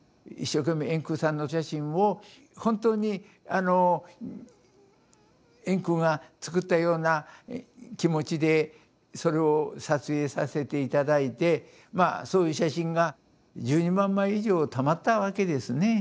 一生懸命円空さんのお写真を本当にあの円空が作ったような気持ちでそれを撮影させて頂いてまあそういう写真が１２万枚以上たまったわけですね